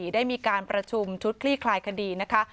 ได้มีการประชุมชุดคลี่คลายคดีนะคะ